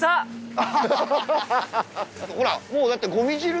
ほらもうだって。